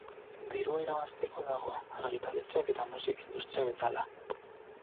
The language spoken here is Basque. Dirua irabazteko dago, argitaletxeak eta musika industria bezala.